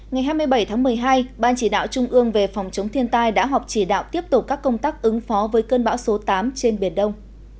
ngày hai mươi bảy tháng một mươi hai ban chỉ đạo trung ương về phòng chống thiên tai đã họp chỉ đạo tiếp tục các công tác ứng phó với cơn bão số tám trên biển đông